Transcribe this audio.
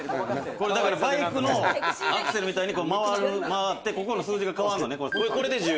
バイクのアクセルみたいに回って、ここの数字が変わるのね。